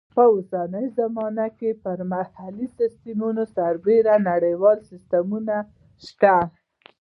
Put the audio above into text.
په اوسنۍ زمانه کې پر محلي سیسټمونو سربیره نړیوال سیسټمونه شته.